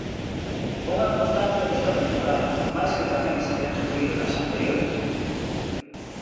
Unha constante nesta temporada, máis que tamén se ten sofrido nas anteriores.